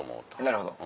なるほど。